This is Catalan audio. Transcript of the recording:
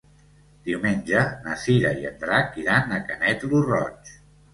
Diumenge na Cira i en Drac iran a Canet lo Roig.